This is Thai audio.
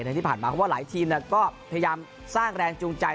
ที่ผ่านมาเพราะว่าหลายทีมก็พยายามสร้างแรงจูงใจ